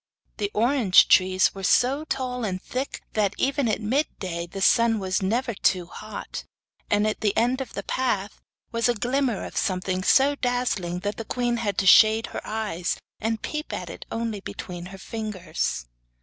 The orange trees were so tall and thick that, even at mid day, the sun was never too hot, and at the end of the path was a glimmer of something so dazzling that the queen had to shade her eyes, and peep at it only between her fingers.